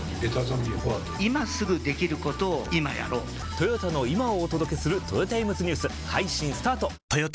トヨタの今をお届けするトヨタイムズニュース配信スタート！！！